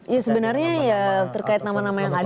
ya sebenarnya ya terkait nama nama yang ada